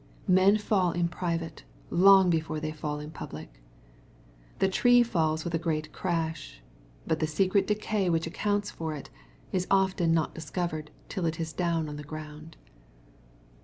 (Men fall in private, long before they fall in public, f The tjeefells with a great crash, but the secret decay which accounts for it, is often not discovered tiU it is down on the ground.